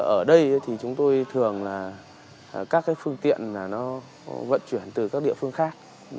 ở đây thì chúng tôi thường là các cái phương tiện nó vận chuyển từ các địa phương khác